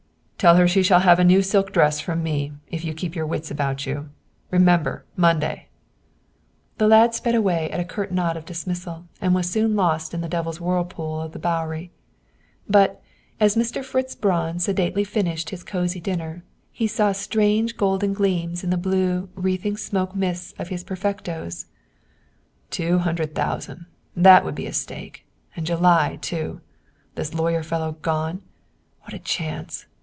"Tell her she shall have a new silk dress from me, if you keep your wits about you. Remember, Monday!" The lad sped away at a curt nod of dismissal, and was soon lost in the devil's whirlpool of the Bowery. But, as Mr. Fritz Braun sedately finished his cosy dinner, he saw strange golden gleams in the blue, wreathing smoke mists of his Perfectos. "Two hundred thousand; that would be a stake. And July, too; this lawyer fellow gone. What a chance!